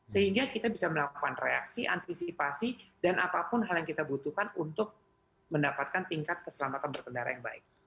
sehingga kita bisa melakukan reaksi antisipasi dan apapun hal yang kita butuhkan untuk mendapatkan tingkat keselamatan berkendara yang baik